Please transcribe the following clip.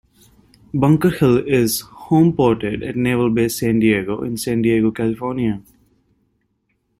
"Bunker Hill" is homeported at Naval Base San Diego in San Diego, California.